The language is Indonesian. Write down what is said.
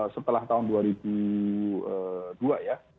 setelah tahun dua ribu dua ya